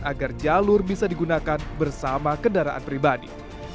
agar jalur bisa digunakan bersama kendaraan pribadi